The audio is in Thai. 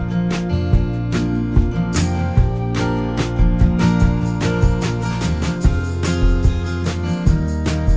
เที่ยวเสาร์อาทิตย์อะไรอย่างนี้กับพี่สาวอะไรอย่างนี้ค่ะ